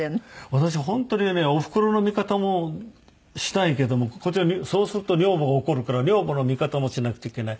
私本当にねおふくろの味方もしたいけどもこちらにそうすると女房が怒るから女房の味方もしなくちゃいけない。